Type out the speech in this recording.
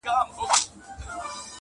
نه یې څه پیوند دی له بورا سره!